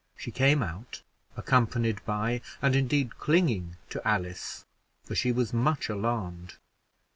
She came out, accompanied by and clinging indeed to Alice, for she was much alarmed.